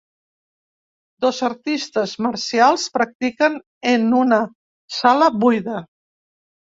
Dos artistes marcials practiquen en una sala buida.